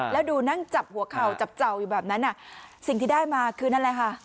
แล้วดูนั่งจับหัวเข่าจับเจ้าอยู่แบบนั้นสิ่งที่ได้มาคือนั่นแหละค่ะ